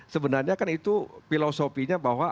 sebenarnya kan itu filosofinya bahwa